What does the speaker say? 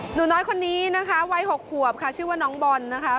หนูน้อยคนนี้นะคะวัย๖ขวบค่ะชื่อว่าน้องบอลนะคะ